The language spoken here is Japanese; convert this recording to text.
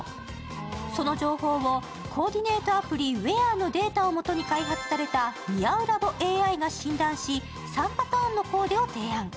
その情報をコーディネートアプリＷＥＡＲのデータをもとに開発された似合うラボＡＩが診断し３パターンのコーデを提案。